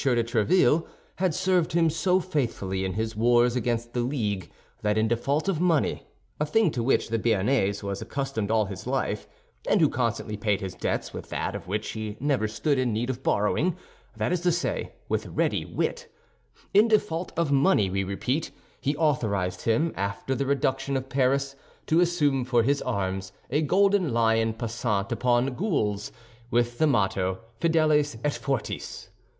de Tréville had served him so faithfully in his wars against the league that in default of money—a thing to which the Béarnais was accustomed all his life, and who constantly paid his debts with that of which he never stood in need of borrowing, that is to say, with ready wit—in default of money, we repeat, he authorized him, after the reduction of Paris, to assume for his arms a golden lion passant upon gules, with the motto Fidelis et fortis.